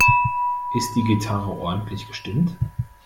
Ist die Gitarre ordentlich gestimmt?